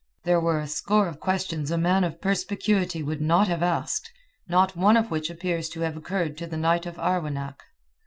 There were a score of questions a man of perspicuity would not have asked, not one of which appears to have occurred to the knight of Arwenack.